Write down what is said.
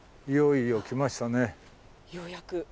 ようやく。